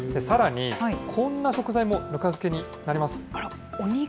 さらに、こんな食材もぬか漬けになります。